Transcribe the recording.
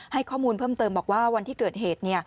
ให้ข้อมูลเพิ่มเติมบอกว่าวันที่เกิดเหตุ